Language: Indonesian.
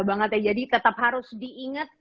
banget ya jadi tetap harus diingat